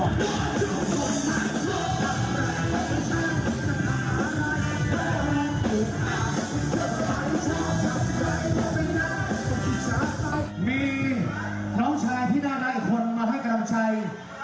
มีน้องชายที่น่าได้คนมาให้กล้ามใจ